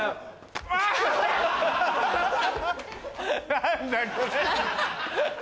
何だこれ。